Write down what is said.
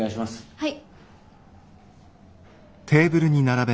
はい。